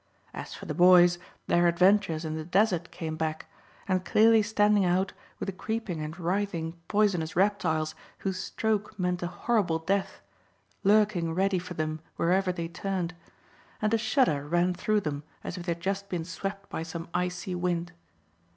As for the boys, their adventures in the desert came back, and clearly standing out were the creeping and writhing poisonous reptiles whose stroke meant a horrible death, lurking ready for them wherever they turned: and a shudder ran through them as if they had just been swept by some icy wind.